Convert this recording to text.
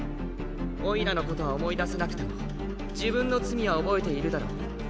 おいらのことは思い出せなくても自分の罪は覚えているだろ？